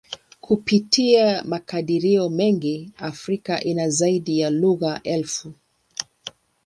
Kupitia makadirio mengi, Afrika ina zaidi ya lugha elfu.